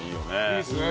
いいですね。